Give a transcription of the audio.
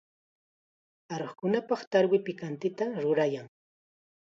Aruqkunapaq tarwi pikantita rurayan.